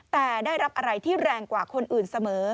แต่ได้รับอะไรที่แรงกว่าคนอื่นเสมอ